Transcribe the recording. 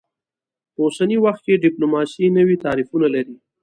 په اوسني وخت کې ډیپلوماسي نوي تعریفونه لري